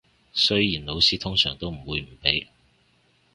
雖然老師通常都唔會唔俾